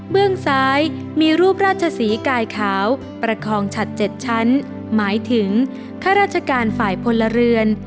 ื้องซ้ายมีรูปราชศรีกายขาวประคองฉัด๗ชั้นหมายถึงข้าราชการฝ่ายพลเรือน